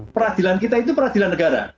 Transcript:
peradilan kita itu peradilan negara